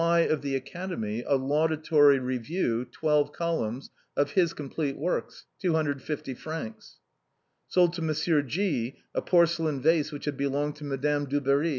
Y , of the Academy, a laudatory review (twelve columns) of his complete works. 250 fr. " Sold to ]\I, G , a porcelain vase which had belonged to Madame Dubarry.